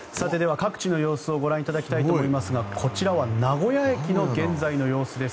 各地の様子をご覧いただきたいと思いますがこちらは名古屋駅の現在の様子です。